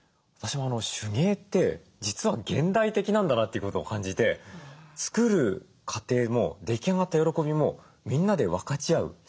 私も手芸って実は現代的なんだなってことを感じて作る過程も出来上がった喜びもみんなで分かち合う。